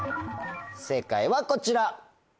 正解はこちら。